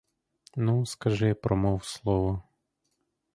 Ну, скажи, промов слово!